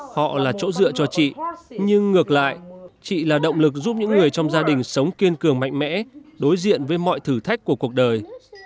họ là chỗ dựa cho chị nhưng ngược lại chị là động lực giúp những người trong gia đình sống kiên cường mạnh mẽ đối diện với mọi thử thách của cuộc đời